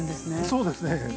◆そうですね。